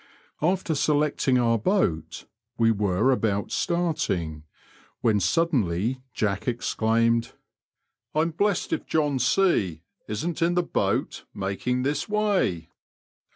After selecting our boat we were about starting, when suddenly Jack exclaimed, I'm blessed if John C isn't in the boat making this way."